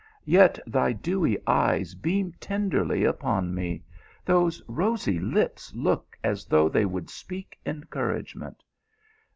Yet thy dewy eyes beam tenderly upon me ; those rosy lips look as though they would speak encouragement.